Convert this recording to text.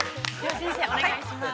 ◆先生、お願いします。